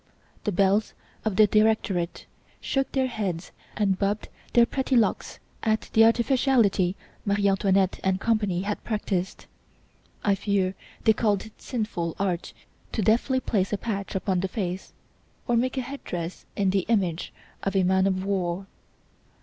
The belles of the Directorate shook their heads and bobbed their pretty locks at the artificiality Marie Antoinette et cie had practised. I fear they called it sinful art to deftly place a patch upon the face, or make a head dress in the image of a man of war.